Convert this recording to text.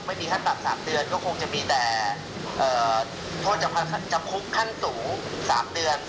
ไม่มีขั้นปรับ๓เดือนก็คงจะมีแต่โทษจำคุกขั้นสูง๓เดือน